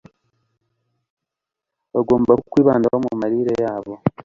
bagomba kukwibandaho mu mirire yabo.